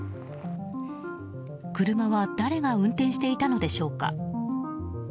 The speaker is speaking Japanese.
車は誰が運転していたのでしょうか。